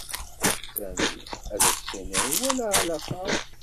Sami ad as-tiniḍ iwala alaxeṛt.